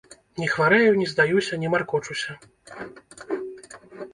Не хварэю, не здаюся, не маркочуся.